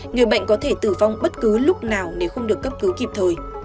người bệnh có thể tử vong bất cứ lúc nào nếu không được cấp cứu kịp thời